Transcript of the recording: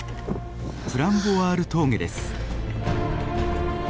プラン・ヴォワール峠です。